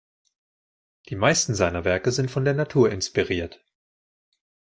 Die meisten seiner Werke sind von der Natur inspiriert.